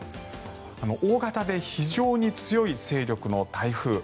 大型で非常に強い勢力の台風。